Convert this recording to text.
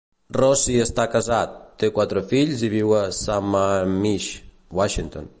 Rossi està casat, té quatre fills i viu a Sammamish, Washington.